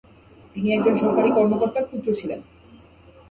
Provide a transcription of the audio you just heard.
তিনি একজন সরকারি কর্মকর্তার পুত্র ছিলেন।